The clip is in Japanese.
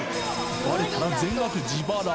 ばれたら全額自腹。